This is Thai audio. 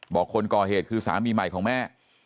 คนก่อเหตุคือสามีใหม่ของแม่